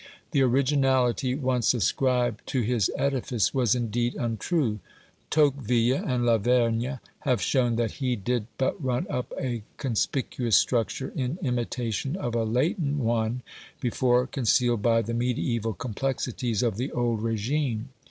The originality once ascribed to his edifice was indeed untrue; Tocqueville and Lavergne have shown that he did but run up a conspicuous structure in imitation of a latent one before concealed by the mediaeval complexities of the old regime.